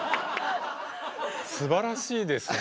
すばらしいですね。